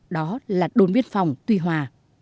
đó là đồn biên phòng tùy hòa